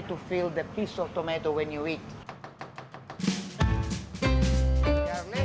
karena saya suka mengisi sisa tomat saat kamu makan